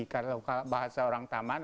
kalau bahasa orang taman